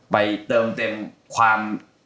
ไปเติมเต็มความ